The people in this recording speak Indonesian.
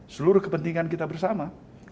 seluruh kepentingan kita bersama